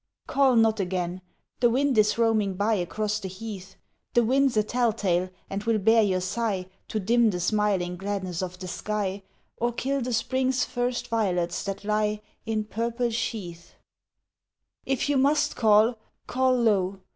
"Call not again! The wind is roaming by Across the heath The Wind's a tell tale and will bear your sigh To dim the smiling gladness of the sky Or kill the spring's first violets that lie In purple sheath "If you must call, call low!